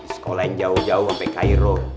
sekolah yang jauh jauh sampai cairo